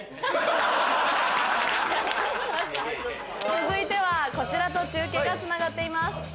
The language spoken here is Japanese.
続いてはこちらと中継がつながっています。